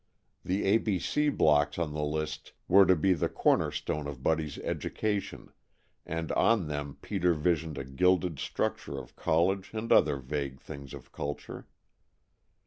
The A. B. C. blocks on the list were to be the cornerstone of Buddy's education, and on them Peter visioned a gilded structure of college and other vague things of culture.